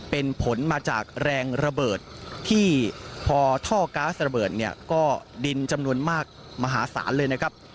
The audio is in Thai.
เป็นผลมาจากแรงระเบิดที่พอท่อก๊าซระเบิดเนี่ยก็ดินจำนวนมากมหาศาลเลยนะครับ